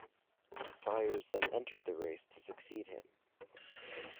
Sires then entered the race to succeed him.